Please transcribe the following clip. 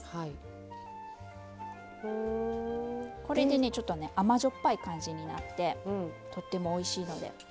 これでねちょっとね甘じょっぱい感じになってとってもおいしいので。